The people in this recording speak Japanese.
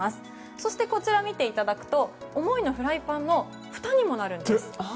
そして、こちら見ていただくとおもいのフライパンのふたにもなるんです。